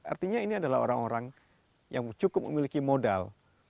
artinya ini adalah orang orang yang cukup memiliki modal